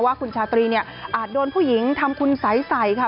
ว่าคุณชาตรีอาจโดนผู้หญิงทำคุณใสครับ